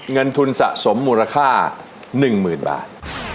เงินทุนสะสมมูลค่า๑๐๐๐บาท